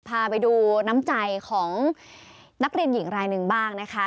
พาไปดูน้ำใจของนักเรียนหญิงรายหนึ่งบ้างนะคะ